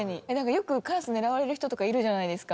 よくカラスに狙われる人とかいるじゃないですか。